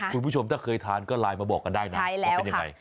คุณผู้ชมถ้าเคยทานก็ไลน์มาบอกกันได้นะว่าเป็นยังไง